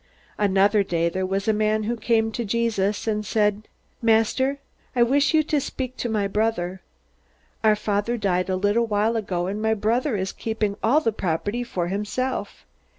Another day there was a man who came to Jesus and said: "Master, I wish you would speak to my brother. Our father died a little while ago, and my brother is keeping all the property for himself.